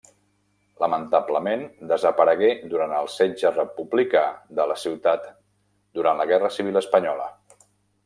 Lamentablement desaparegué durant el setge republicà de la ciutat durant la Guerra Civil espanyola.